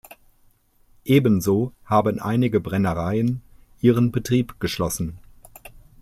Ebenso haben einige Brennereien ihren Betrieb geschlossen.